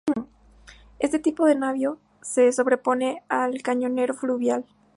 Este tipo de navío se sobrepone al cañonero fluvial.